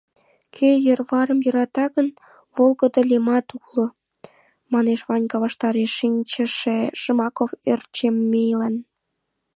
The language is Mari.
— Кӧ йӧрварым йӧрата гын, волгыдо лемат уло, — манеш Ванька ваштареш шинчыше Жмаков Ӧрчемейлан.